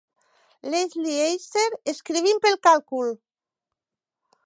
Leslie Eiser, escrivint pel càlcul!